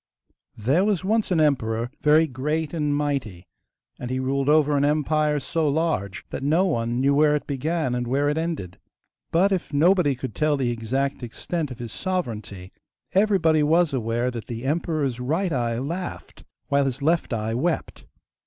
There was once an emperor, very great and mighty, and he ruled over an empire so large that no one knew where it began and where it ended. But if nobody could tell the exact extent of his sovereignty everybody was aware that the emperor's right eye laughed, while his left eye wept.